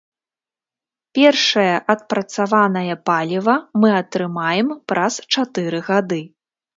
Першае адпрацаванае паліва мы атрымаем праз чатыры гады.